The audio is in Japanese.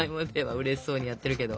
うれしそうにやってるけど。